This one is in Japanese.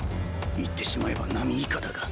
言ってしまえば並以下だが